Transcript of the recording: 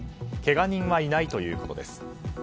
けが人はいないということです。